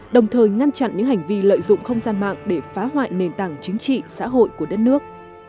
đồng thời ngăn chặn những hành vi lợi dụng không gian mạng để phá hoại nền tảng chính trị xã hội của đất nước